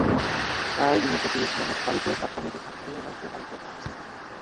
তাই দিনত পুরুষ মানুষ বাড়িত সাবধানত থাকলেও রাইতে বাড়িত থাকছে না।